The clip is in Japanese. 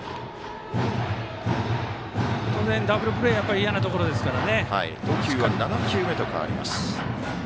当然、ダブルプレー嫌なところですから。